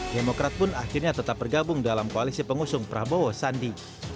demokrat pun akhirnya tetap bergabung dalam koalisi pengusung prabowo sandi